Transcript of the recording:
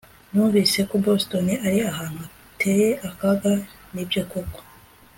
numvise ko boston ari ahantu hateye akaga. nibyo koko